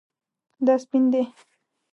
دا سپین دی